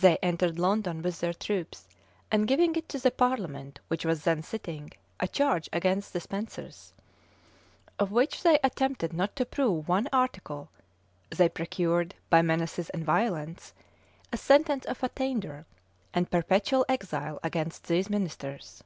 They entered London with their troops; and giving in to the parliament, which was then sitting, a charge against the Spensers, of which they attempted not to prove one article, they procured, by menaces and violence, a sentence of attainder and perpetual exile against these ministers.